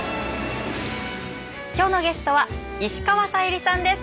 今日のゲストは石川さゆりさんです。